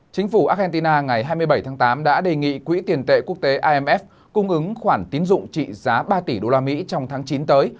chính phủ argentina ngày hai mươi bảy tháng tám đã đề nghị quỹ tiền tệ quốc tế imf cung ứng khoản tín dụng trị giá ba tỷ usd trong tháng chín tới